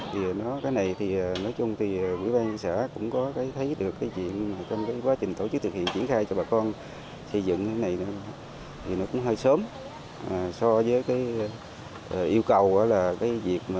thì cái này thì nói chung thì quỹ ban xã cũng có thấy được cái chuyện trong quá trình tổ chức thực hiện triển khai cho bà con xây dựng thế này